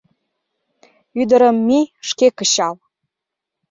Ӱдырым, мий, шке кычал!..